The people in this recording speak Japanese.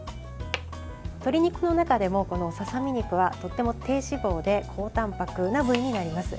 鶏肉の中でも、ささ身肉はとても低脂肪で高たんぱくな部位になります。